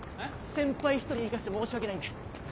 先輩１人で行かせて申し訳ないんで。